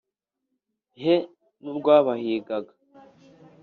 He n'urwabahigaga!